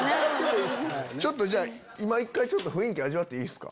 ちょっとじゃあ今雰囲気味わっていいですか？